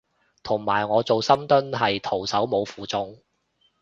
同埋我做深蹲係徒手冇負重